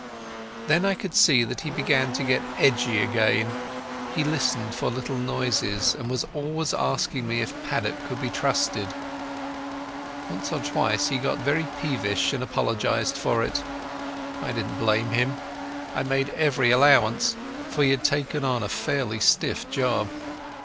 Then I could see that he began to get edgy again. He listened for little noises, and was always asking me if Paddock could be trusted. Once or twice he got very peevish, and apologized for it. I didn't blame him. I made every allowance, for he had taken on a fairly stiff job.